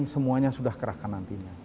semuanya sudah kerahkan nantinya